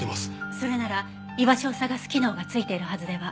それなら居場所を捜す機能が付いているはずでは？